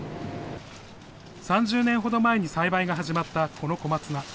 ３０年ほど前に栽培が始まったこの小松菜。